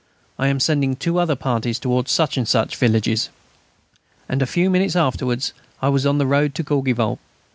I am sending two other parties towards such and such villages." And a few minutes afterwards I was on the road to Courgivault.